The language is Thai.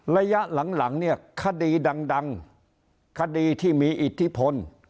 ระยะหลังเนี่ยคดีดังคดีที่มีอิทธิพล